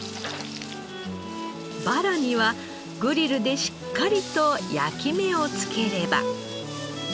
バラにはグリルでしっかりと焼き目をつければ。